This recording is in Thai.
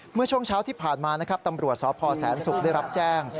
เมื่อช่วงเช้าที่ผ่านมาตำรวจสศศูกร์ได้รับแจ้ง